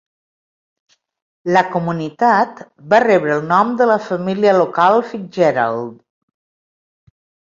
La comunitat va rebre el nom de la família local Fitzgerald.